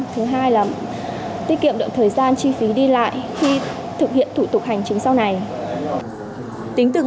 thứ hai là tiết kiệm được thời gian chi phí đi lại khi thực hiện thủ tục hành